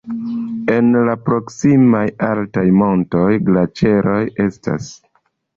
En la proksimaj altaj montoj glaĉeroj estas.